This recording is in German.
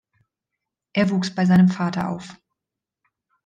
Er wuchs bei seinem Vater auf.